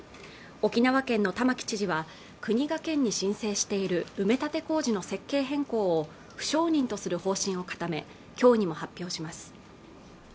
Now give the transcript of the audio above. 沖縄県の玉城知事は国が県に申請している埋め立て工事の設計変更を不承認とする方針を固めきょうにも発表します